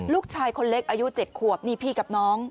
ลูกชายคนเล็กอายุ๗ขวบนี่พี่กับน้อง